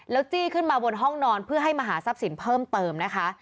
จี้ขึ้นมาบนห้องนอนเพื่อให้มาหาทรัพย์สินเพิ่มเติมนะคะ